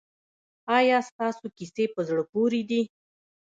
ایا ستاسو کیسې په زړه پورې دي؟